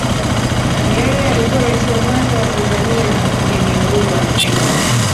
nyerere alikuwa raisi wa kwanza wa tanzania na mpigania Uhuru wa africa